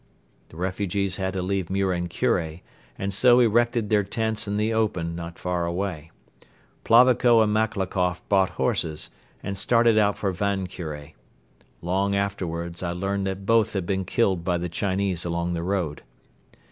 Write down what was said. The refugees had to leave Muren Kure and so erected their tents in the open not far away. Plavako and Maklakoff bought horses and started out for Van Kure. Long afterwards I learned that both had been killed by the Chinese along the road.